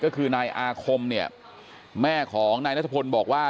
ก็คือนายอาคมเนี่ยแม่ของนายนัทพลบอกว่า